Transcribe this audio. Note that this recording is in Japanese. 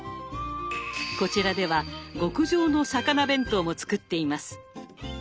こちらでは極上の魚弁当も作っています。